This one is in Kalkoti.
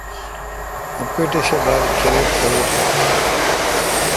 اں پیٹش اے°بال کرِٹ کرِٹ این